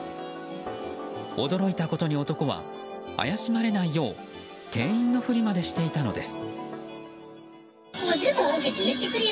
驚いたことに男は怪しまれないよう店員のふりまでしていたのです。